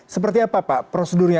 seperti apa pak prosedurnya